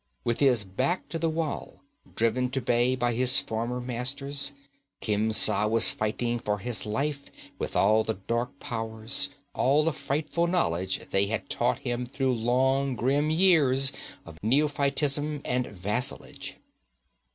With his back to the wall, driven to bay by his former masters, Khemsa was fighting for his life with all the dark power, all the frightful knowledge they had taught him through long, grim years of neophytism and vassalage.